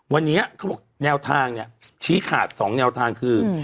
วันนี้เขาบอกแนวทางเนี่ยชี้ขาด๒แนวทางคือ